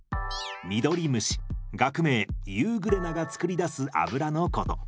ミドリムシ学名ユーグレナが作り出す油のこと。